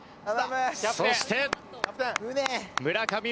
そして村上宗隆。